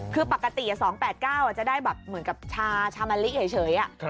คือปกติอ่ะสองแปดเก้าอ่ะจะได้แบบเหมือนกับชาชามาลิเฉยเฉยอ่ะ